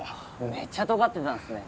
めっちゃとがってたんすね